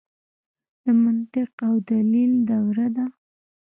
د منطق او دلیل دوره ده.